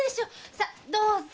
さあどうぞ！